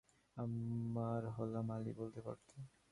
আমার হলা মালী বলতে পারত।